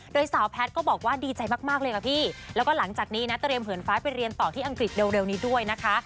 โดยสาวแพทย์ก็บอกว่าดีใจมากเลยค่ะพี่แล้วก็หลังจากนี้นะเตรียมเหินฟ้าไปเรียนต่อที่อังกฤษเร็วนี้ด้วยนะคะ